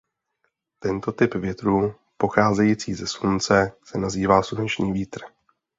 Tento typ větru pocházející ze Slunce se nazývá sluneční vítr.